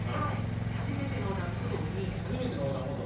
初めての横断歩道に。